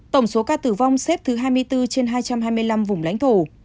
tổng số ca tử vong xếp thứ hai mươi bốn trên hai trăm hai mươi năm vùng lãnh thổ